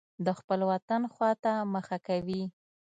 د خپل وطن خوا ته مخه کوي.